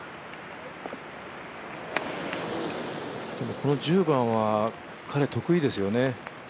この１０番は、彼得意ですよね